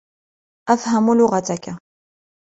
أفهم لغتك.